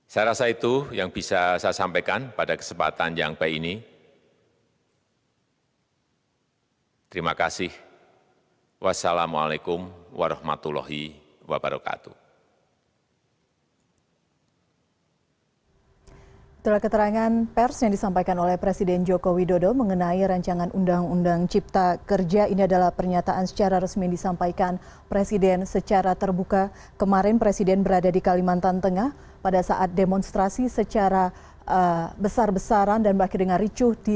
saya rasa itu yang bisa saya sampaikan pada kesempatan yang baik ini